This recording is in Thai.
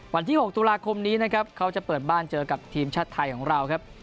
วันที่๖ตุลาคมนี้นะครับเขาจะเปิดบ้านเจอกับทีมชาติไทยของเราครับ